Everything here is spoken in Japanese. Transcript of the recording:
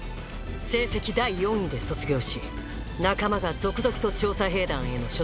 成績第４位で卒業し仲間が続々と調査兵団への所属を決断する中